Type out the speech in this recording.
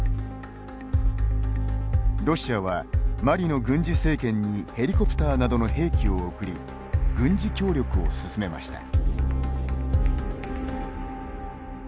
ロシアは、マリの軍事政権にヘリコプターなどの兵器を送り軍事協力を進めました。